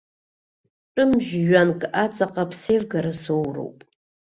Тәым жәҩанк аҵаҟа ԥсеивгара соуроуп.